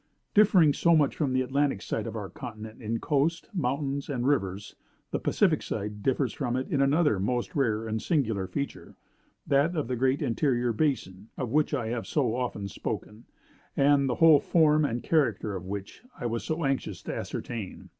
"Differing so much from the Atlantic side of our continent in coast, mountains, and rivers, the Pacific side differs from it in another most rare and singular feature that of the Great interior Basin, of which I have so often spoken, and the whole form and character of which I was so anxious to ascertain.